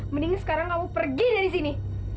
mending sekarang kamu pergi dari sini